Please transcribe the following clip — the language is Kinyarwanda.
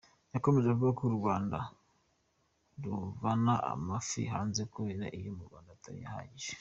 Yakomeje avuga u Rwanda ruvanaga amafi hanze kubera ko ayo mu Rwanda atari ahagije.